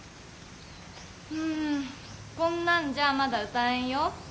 うんこんなんじゃまだ歌えんよ。